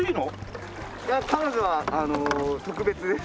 いや彼女はあの特別です。